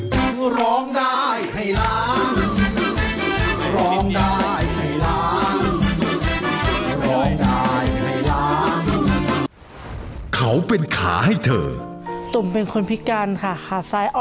ตุ๋มเป็นคนพิกันค่ะขาซ้ายอ่อนแรงมาตั้งแต่สามปี